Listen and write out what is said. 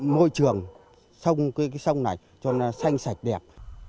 môi trường sông cái sông này cho nó xanh sạch đẹp